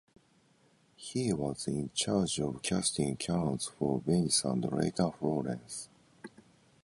He was in charge of casting cannons for Venice and later Florence.